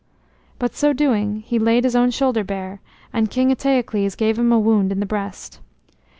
But so doing he laid his own shoulder bare, and King Eteocles gave him a wound in the breast.